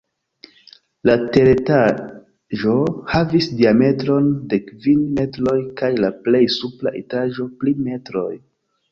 La teretaĝo havis diametron de kvin metroj kaj la plej supra etaĝo tri metroj.